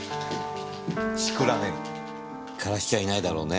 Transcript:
シクラメン枯らしちゃいないだろうね？